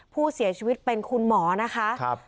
ผู้เสียชีวิตเป็นคุณหมอนะคะ